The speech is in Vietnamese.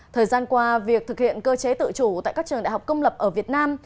thời gian qua việc thực hiện cơ chế tự chủ tại các trường đại học công lập ở việt nam